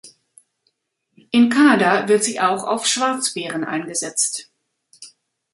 In Kanada wird sie auch auf Schwarzbären eingesetzt.